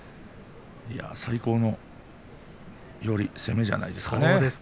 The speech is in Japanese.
最高の寄り、攻めじゃないですか。